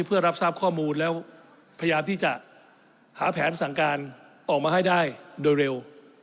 เพื่อรับทราบข้อมูลแล้วพยายามที่จะหาแผนสั่งการออกมาให้ได้โดยเร็ว